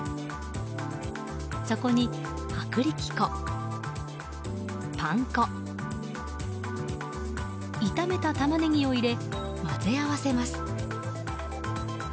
そこに薄力粉、パン粉炒めたタマネギを入れ混ぜ合わせます。